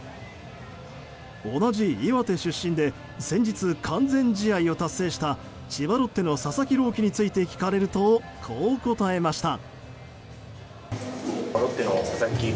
同じ岩手出身で先日、完全試合を達成した千葉ロッテの佐々木朗希について聞かれると、こう答えました。